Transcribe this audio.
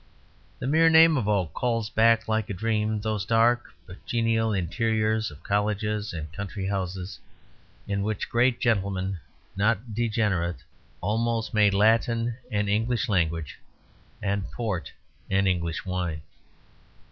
The mere name of oak calls back like a dream those dark but genial interiors of colleges and country houses, in which great gentlemen, not degenerate, almost made Latin an English language and port an English wine.